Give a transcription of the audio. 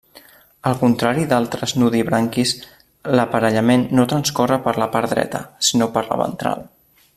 Al contrari d'altres nudibranquis, l'aparellament no transcorre per la part dreta, sinó per la ventral.